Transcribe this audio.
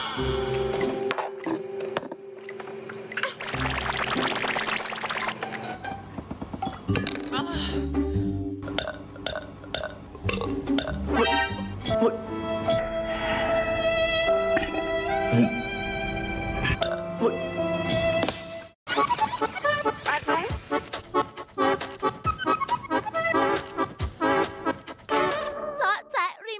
มาต่อ